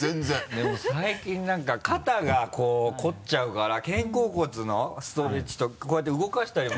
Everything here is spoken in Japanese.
でも最近何か肩がこう凝っちゃうから肩甲骨のストレッチとかこうやって動かしたりも。